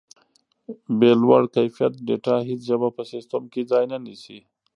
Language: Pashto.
بې له لوړ کیفیت ډیټا هیڅ ژبه په سیسټم کې ځای نه نیسي.